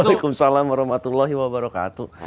waalaikumsalam warahmatullahi wabarakatuh